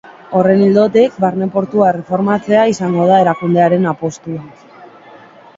Horren ildotik, barne portua erreformatzea izango da erakundearen apostua.